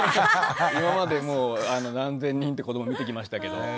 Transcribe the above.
今までもう何千人って子ども見てきましたけど。